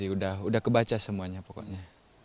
udah sih udah kebaca semuanya pokoknya